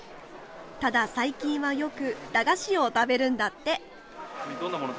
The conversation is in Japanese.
ただ最近はよく駄菓子を食べるんだって。